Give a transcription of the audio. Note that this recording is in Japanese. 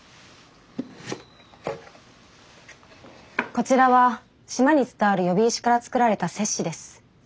こちらは島に伝わる喚姫石から作られた鑷子です。